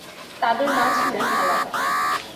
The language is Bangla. তাদের মা ছিলেন আলাদা।